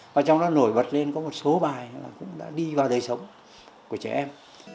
và trong đó nổi bật lên có một số bài là cũng đã đi vào đời sống của trẻ em